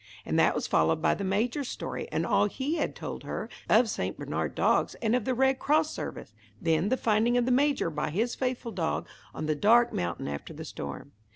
And that was followed by the Major's story, and all he had told her of St. Bernard dogs, and of the Red Cross service. Then the finding of the Major by his faithful dog on the dark mountain after the storm.